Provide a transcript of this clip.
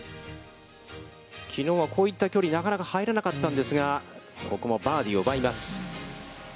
きのうは、こういった距離、なかなか入らなかったんですが、ここもバーディーを奪います。